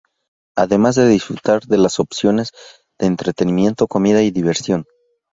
Además de disfrutar de las opciones de entretenimiento, comida y diversión.